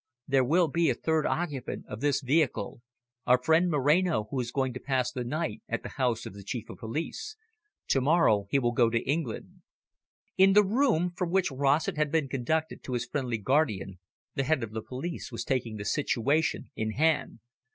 There will be a third occupant of this vehicle our friend Moreno, who is going to pass the night at the house of the Chief of Police. To morrow he will go to England." In the room from which Rossett had been conducted to his friendly guardian, the head of the police was taking the situation in hand.